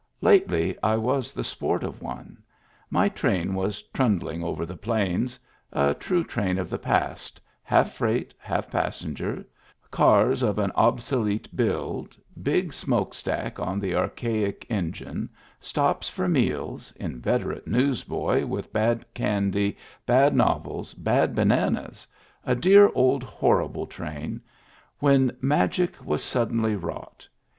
Lately I was the sport of one. My train was trundling over the plains — a true train of the past, half freight, half passenger, cars of an obsolete build, big smoke stack on the archaic engine, stops for meals, inveterate news boy with bad candy, bad novels, bacj bananas — a dear old horrible train, when magic was suddenly wrought.